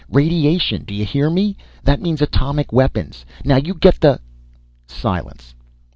Radiation, do you hear me? That means atomic weapons! Now, you get th " Silence.